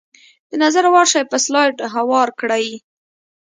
د نظر وړ شی په سلایډ هوار کړئ.